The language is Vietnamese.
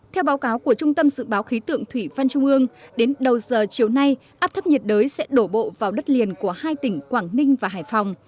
theo báo cáo của trung tâm dự báo khí tượng thủy văn trung ương đến đầu giờ chiều nay áp thấp nhiệt đới sẽ đổ bộ vào đất liền của hai tỉnh quảng ninh và hải phòng